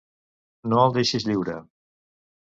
No el deixis lliure!